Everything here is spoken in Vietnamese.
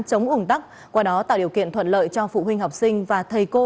chống ủn tắc qua đó tạo điều kiện thuận lợi cho phụ huynh học sinh và thầy cô